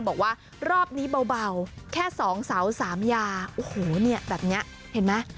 บอกว่ารอบนี้เบาแค่๒เสา๓ยาโอ้โหเนี่ยแบบนี้เห็นไหม